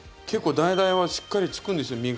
結構ダイダイはしっかりつくんですよ